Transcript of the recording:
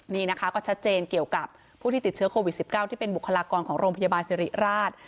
นี่นะคะก็ชัดเจนเกี่ยวกับผู้ที่ติดเชื้อโควิด๑๙ที่เป็นบุคลากรของโรงพยาบาลสิริราช